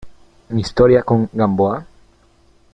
mi historia con Gamboa ?